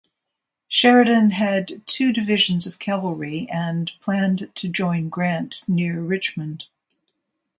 Sheridan had two divisions of cavalry and planned to join Grant near Richmond.